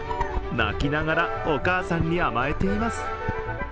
泣きながらお母さんに甘えています。